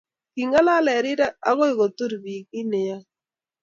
king'alal eng rirek akoi kotur biik kiit neyoei